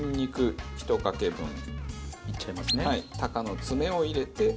鷹の爪を入れて。